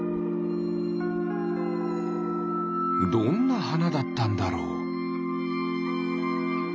どんなはなだったんだろう？